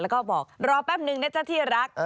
แล้วก็บอกรอแป๊บนึงนะเจ้าที่รัก